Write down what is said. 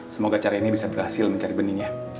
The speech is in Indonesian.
semoga caranya bisa berhasil mencari bening ya